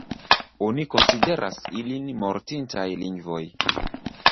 Oni konsideras ilin mortintaj lingvoj.